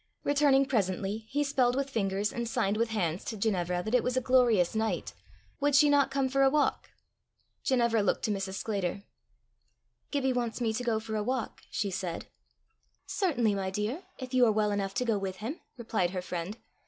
Returning presently, he spelled with fingers and signed with hands to Ginevra that it was a glorious night: would she not come for a walk? Ginevra looked to Mrs. Sclater. "Gibbie wants me to go for a walk," she said. "Certainly, my dear if you are well enough to go with him," replied her friend.